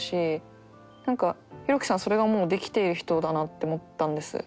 何かヒロキさんはそれがもうできている人だなって思ったんです。